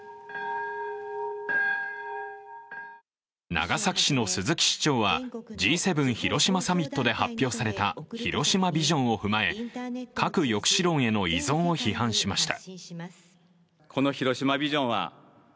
長崎市の鈴木市長はＧ７広島サミットで発表された広島ビジョンを踏まえ核抑止論への依存を批判しました。